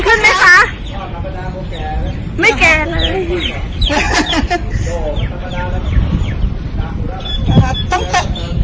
โรงแรมโรงงานสัก๒อันตรี